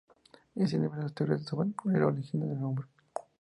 Existen diversas teorías sobre el origen del nombre.